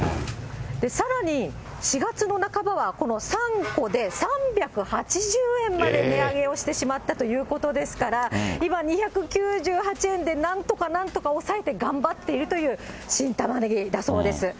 さらに、４月の半ばはこの３個で３８０円まで値上げをしてしまったということですから、今、２９８円でなんとかなんとか抑えて頑張っているという新たまねぎだそうです。